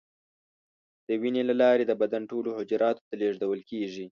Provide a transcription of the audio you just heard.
د وینې له لارې د بدن ټولو حجراتو ته لیږدول کېږي.